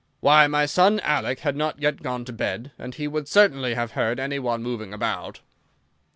"Why, my son Alec had not yet gone to bed, and he would certainly have heard any one moving about."